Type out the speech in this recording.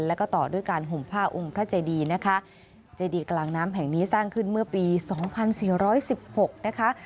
แล้วก็ต่อด้วยการห่มผ้าองค์พระเจดีนะคะเจดีกลางน้ำแห่งนี้สร้างขึ้นเมื่อปีสองพันสี่ร้อยสิบหกนะคะ